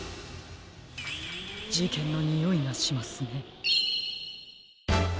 じけんのにおいがしますね。